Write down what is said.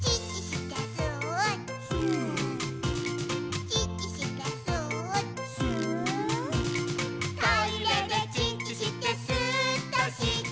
「トイレでチッチしてスーっとしちゃお！」